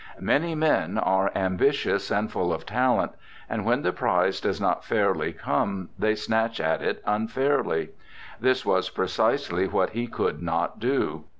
Many men are ambitious and full of talent, and when the prize does not fairly come they snatch at it unfairly. This was precisely what he could not do.